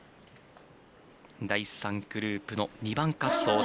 第３グループの２番滑走。